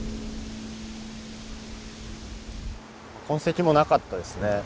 痕跡もなかったですね。